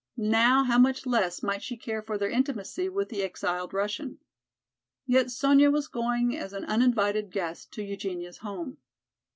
Now how much less might she care for their intimacy with the exiled Russian. Yet Sonya was going as an uninvited guest to Eugenia's home.